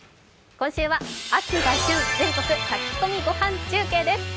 今週は「秋が旬！全国炊き込みご飯中継」です。